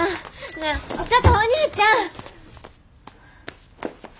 なあちょっとお兄ちゃん！